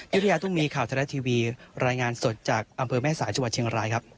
ยุธยาตุ้มีข่าวไทยรัฐทีวีรายงานสดจากอำเภอแม่สายจังหวัดเชียงรายครับ